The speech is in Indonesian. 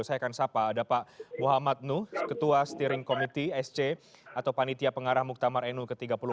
saya akan sapa ada pak muhammad nuh ketua steering committee sc atau panitia pengarah muktamar nu ke tiga puluh empat